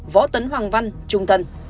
võ tấn hoàng văn trung thân